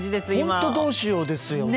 本当どうしようですよね。